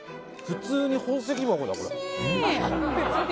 普通に宝石箱だ、これ。